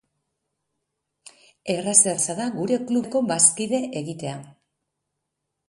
Erraz-erraz da gure klubeko bazkide egitea.